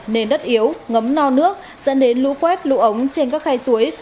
nền đất yếu ngấm no nước dẫn đến lũ quét lũ ống trên các khe suối